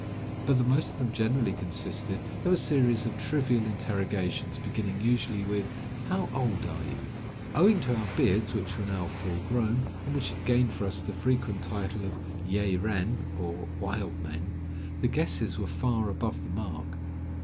But the most of them generally consisted of a series of trivial interrogations beginning usually with: "How old are you?" Owing to our beards, which were now full grown, and which had gained for us the frequent title of yeh renn, or wild men, the guesses were far above the mark.